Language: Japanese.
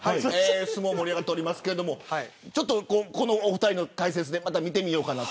相撲盛り上がってますけどお二人の解説でまた見てみようかなと。